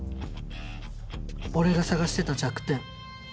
俺が探してた弱点